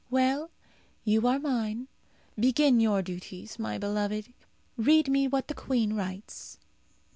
"Well, you are mine. Begin your duties, my beloved. Read me what the queen writes."